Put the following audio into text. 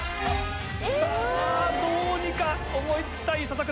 さぁどうにか思い付きたい篠倉。